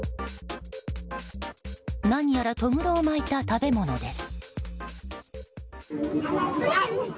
何やら、とぐろを巻いた食べ物です。